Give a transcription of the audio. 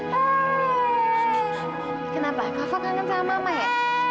ya kenapa kak fah kangen sama mama ya